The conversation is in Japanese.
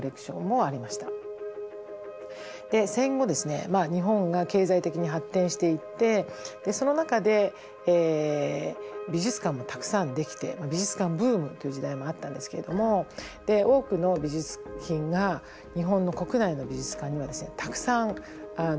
戦後ですね日本が経済的に発展していってその中で美術館もたくさんできて美術館ブームという時代もあったんですけれども多くの美術品が日本の国内の美術館にはたくさん収蔵されています。